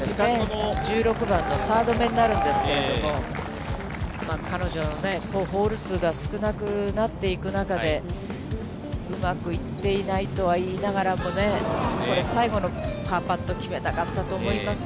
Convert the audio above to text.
１６番のサードめになるんですけど、彼女のホール数が少なくなっていく中で、うまくいっていないとはいいながらもね、これ、最後のパーパット、決めたかったと思います。